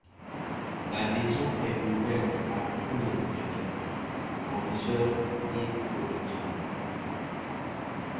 L'adhésion est ouverte à tous les étudiants, aux professeurs et au personnel.